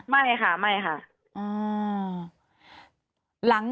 ไม่ค่ะไม่ค่ะ